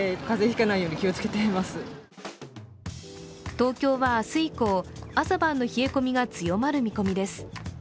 東京は明日以降、朝晩の冷え込みが強まる見込みです。